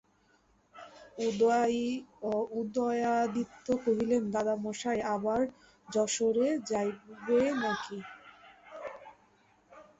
উদয়াদিত্য কহিলেন, দাদামহাশয়, আবার যশোহরে যাইবে নাকি?